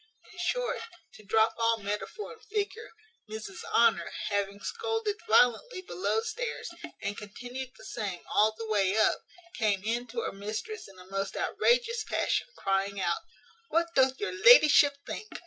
In short, to drop all metaphor and figure, Mrs Honour, having scolded violently below stairs, and continued the same all the way up, came in to her mistress in a most outrageous passion, crying out, "What doth your ladyship think?